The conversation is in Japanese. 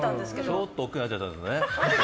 ちょっと大きくなっちゃったんですね。